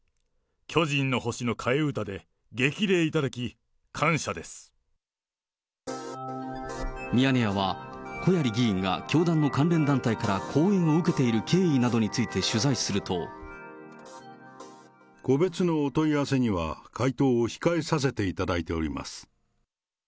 巨人の星の替え歌で激励いただき、ミヤネ屋は、小鑓議員が教団の関連団体から後援を受けている経緯などについて個別のお問い合わせには、回答を控えさせていただいております。